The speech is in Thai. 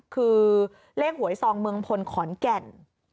คือเลขหวยซองเมืองพลขอนแก่น